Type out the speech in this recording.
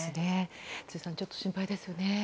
辻さん、ちょっと心配ですよね。